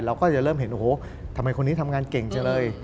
เราก็จะเริ่มเห็นโอ้โหทำไมคนนี้ทำงานเก่งจังเลย